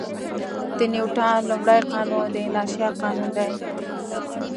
د نیوټن لومړی قانون د انرشیا قانون دی.